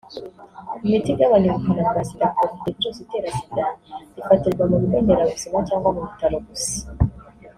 Imiti igabanya ubukana bwa Sida ku bafite virusi itera Sida ifatirwa mu bigo nderabuzima cyangwa ku bitaro gusa